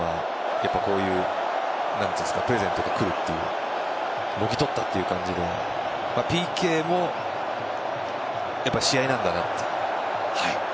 やっぱりこういうプレゼントが来るというもぎ取ったという感じでＰＫも試合なんだなという。